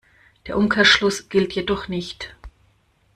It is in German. Der Umkehrschluss gilt jedoch nicht.